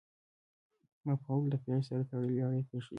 مفعول د فعل سره تړلې اړیکه ښيي.